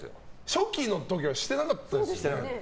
初期の時はしてなかったですよね。